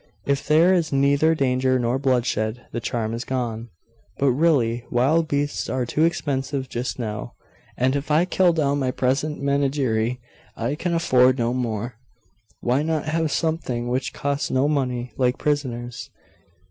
If there is neither danger nor bloodshed, the charm is gone. But really wild beasts are too expensive just now; and if I kill down my present menagerie, I can afford no more. Why not have something which costs no money, like prisoners?